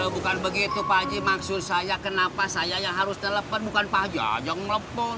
bukan begitu pak haji maksud saya kenapa saya yang harus telepon bukan pagi aja yang melepon